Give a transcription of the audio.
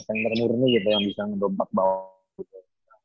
center center gitu yang bisa ngedompak bawah gitu